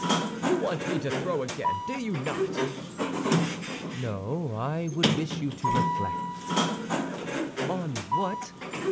"You want me to throw again, do you not?" "No, I would wish you to reflect." "On what?"